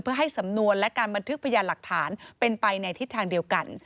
เพื่อให้สำนวนและการบันทึกพยานหลักฐานเป็นไปในทิศทางเดียวกัน